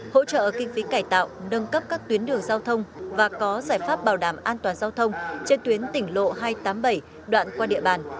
hỗ trợ kinh phí cải tạo nâng cấp các tuyến đường giao thông và có giải pháp bảo đảm an toàn giao thông trên tuyến tỉnh lộ hai trăm tám mươi bảy đoạn qua địa bàn